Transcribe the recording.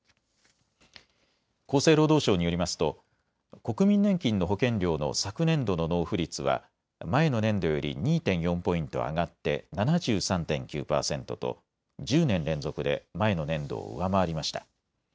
厚生労働省によりますと国民年金の保険料の昨年度の納付率は前の年度より２．４ポイント上がって７３．９％と１０年連続で前の年度を上回りました。